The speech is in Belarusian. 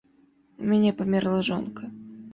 У мяне памерла жонка.